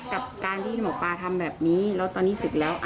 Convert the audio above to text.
กับการที่หมอปลาทำแบบนี้แล้วตอนนี้ศึกแล้ว